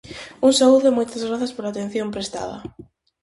Un saúdo e moitas grazas pola atención prestada.